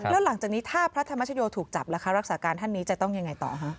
แล้วหลังจากนี้ถ้าพระธรรมชโยถูกจับล่ะคะรักษาการท่านนี้จะต้องยังไงต่อคะ